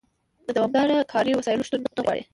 د دوامداره کاري وسایلو شتون نه غواړي.